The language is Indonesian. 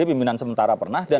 pimpinan sementara pernah dan